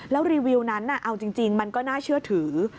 แล้วรีวิวนั้นเอาจริงมันก็น่าเชื่อถือ